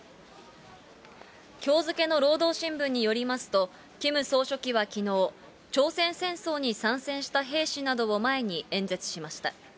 きょう付けの労働新聞によりますと、キム総書記はきのう、朝鮮戦争に参戦した兵士などを前に、演説しました。